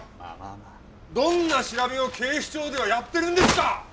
どんな調べを警視庁ではやってるんですか！